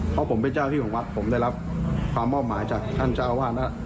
เพราะผมเป็นเจ้าที่ของวัดผมได้รับความมอบหมายจากท่านเจ้าอาวาสนะ